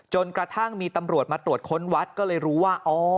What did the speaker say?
จนกระทั่งมีตำรวจมาตรวจค้นวัดก็เลยรู้ว่า